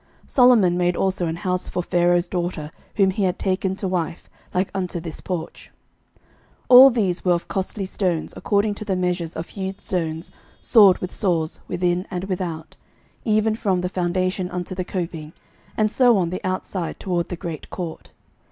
Solomon made also an house for Pharaoh's daughter, whom he had taken to wife, like unto this porch. 11:007:009 All these were of costly stones, according to the measures of hewed stones, sawed with saws, within and without, even from the foundation unto the coping, and so on the outside toward the great court.